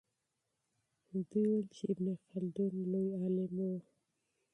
دوی وویل چې ابن خلدون لوی عالم و.